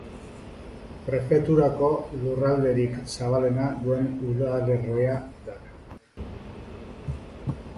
Prefeturako lurralderik zabalena duen udalerria da.